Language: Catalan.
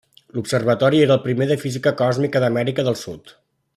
L'observatori era el primer de física còsmica d'Amèrica del Sud.